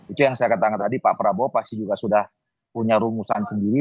itu yang saya katakan tadi pak prabowo pasti juga sudah punya rumusan sendiri